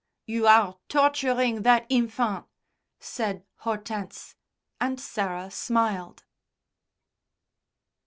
"You are torturing that infant," said Hortense, and Sarah smiled.